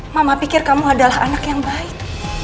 mama pikir kamu adalah anak yang baik